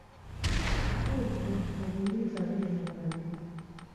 Kituufu, obuyinza buli mu bantu.